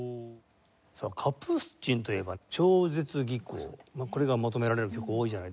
カプースチンといえば超絶技巧これが求められる曲多いじゃないですか。